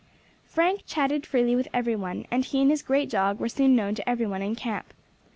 Frank chatted freely with every one, and he and his great dog were soon known to every one in camp.